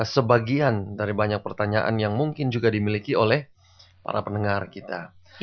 sebagian dari banyak pertanyaan yang mungkin juga dimiliki oleh para pendengar kita